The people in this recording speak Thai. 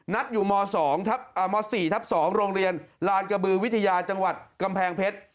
อยู่ม๒ม๔ทับ๒โรงเรียนลานกระบือวิทยาจังหวัดกำแพงเพชร